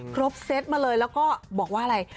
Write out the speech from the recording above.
เซตมาเลยแล้วก็บอกว่าอะไร